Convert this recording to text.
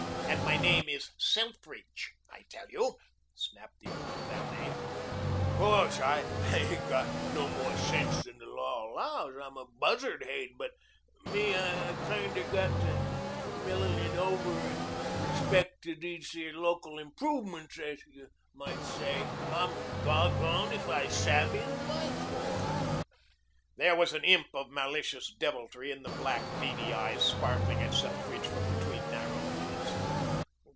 And my name is Selfridge, I tell you," snapped the owner of that name. "'Course I ain't got no more sense than the law allows. I'm a buzzard haid, but me I kinder got to millin' it over and in respect to these here local improvements, as you might say, I'm doggoned if I sabe the whyfor." There was an imp of malicious deviltry in the black, beady eyes sparkling at Selfridge from between narrowed lids.